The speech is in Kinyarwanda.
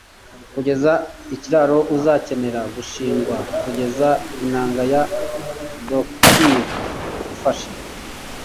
kugeza ikiraro uzakenera gushingwa, kugeza inanga ya ductile ifashe